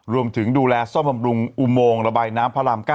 รวมถึงดูแลซ่อมประปรุงอุโมงระบายน้ำพระราม๙